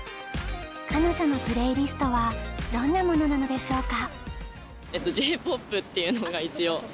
彼女のプレイリストはどんなものなのでしょうか。